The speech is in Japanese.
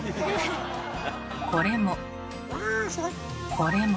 これも。